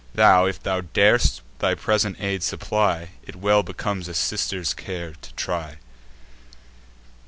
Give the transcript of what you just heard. Thou, if thou dar'st thy present aid supply; It well becomes a sister's care to try."